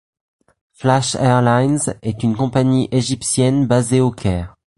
Flash Airlines est une compagnie égyptienne basée au Caire.